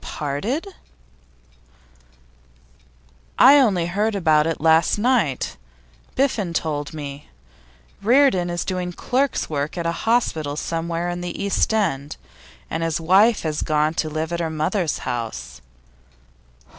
'Parted?' 'I only heard about it last night; Biffen told me. Reardon is doing clerk's work at a hospital somewhere in the East end, and his wife has gone to live at her mother's house.